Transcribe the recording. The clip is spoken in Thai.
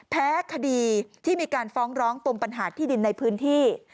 แพ้คดีที่มีการฟ้องร้องปมปัญหาที่ดินในพื้นที่